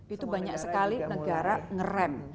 itu banyak sekali negara ngerem